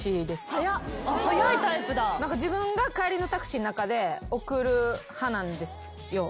自分が帰りのタクシーの中で送る派なんですよ。